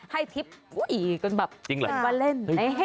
ให้ทิฟต์ผู้อีกก็แบบว่าเล่น